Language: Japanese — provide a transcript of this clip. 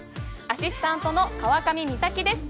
アシスタントの川上美咲です